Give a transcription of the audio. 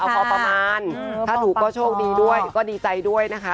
พอประมาณถ้าถูกก็โชคดีด้วยก็ดีใจด้วยนะคะ